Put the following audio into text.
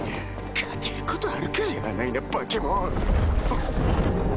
勝てることあるかいあないな化け物！